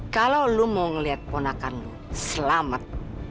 kalau lu mau ngeliat ponakan lu selamat